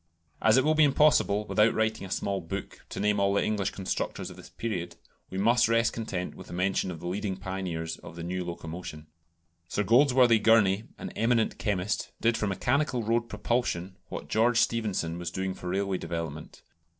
As it will be impossible, without writing a small book, to name all the English constructors of this period, we must rest content with the mention of the leading pioneers of the new locomotion. Sir Goldsworthy Gurney, an eminent chemist, did for mechanical road propulsion what George Stephenson was doing for railway development.